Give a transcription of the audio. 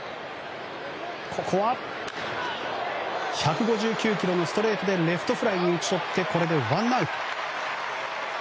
ここは、１５９キロのストレートでレフトフライに打ち取ってこれで、ワンアウト。